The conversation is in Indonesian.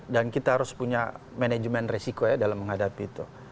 dan kita harus punya manajemen resiko ya dalam menghadapi itu